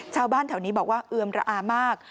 ชาวบ้านแถวนี้บอกว่าเอือมระอามาก